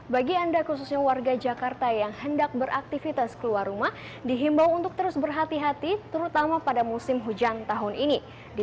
bagi anda khususnya warga jakarta yang hendak beraktivitas keluar rumah dihimbau untuk terus berhati hati terutama pada musim hujan tahun ini